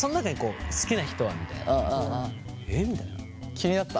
気になった？